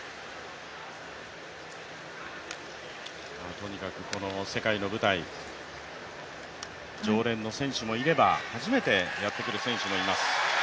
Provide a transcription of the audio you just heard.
とにかく世界の舞台、常連の選手もいれば初めてやってくる選手もいます。